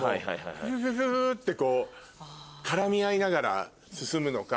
ヒュヒュってこう絡み合いながら進むのか。